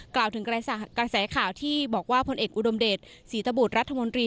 กล่าวถึงกระแสข่าวที่บอกว่าผลเอกอุดมเดชศรีตบุตรรัฐมนตรี